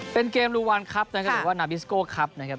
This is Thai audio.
เป็นเกมรุวันครับหรือว่านาบิสโกครับ